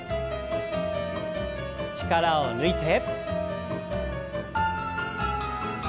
力を抜いて。